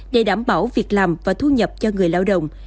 để đảm bảo việc làm và thu nhập cho người lao động